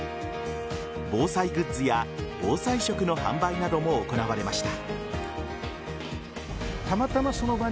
防災グッズや防災食の販売なども行われました。